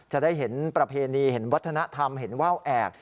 จะได้เห็นประเพณีเห็นวัฒนธรรมเห็นว่าวแอก